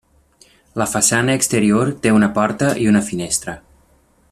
La façana exterior té una porta i una finestra.